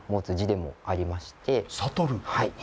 はい。